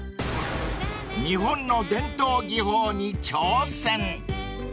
［日本の伝統技法に挑戦］